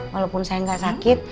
walaupun saya gak sakit